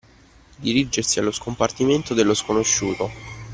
Dirigersi allo scompartimento dello sconosciuto.